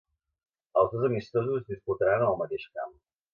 Els dos amistosos es disputaran en el mateix camp.